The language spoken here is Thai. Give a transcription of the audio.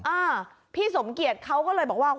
อ่าพี่สมเกียจเขาก็เลยบอกว่า